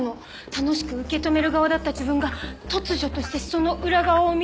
楽しく受け止める側だった自分が突如としてその裏側を見たときに幸せはない。